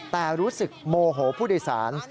แต่รู้สึกโมโหผู้โดยสาร